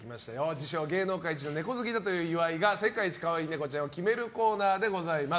自称芸能界イチのネコ好きだという岩井が世界一かわいいネコちゃんを決めるコーナーでございます。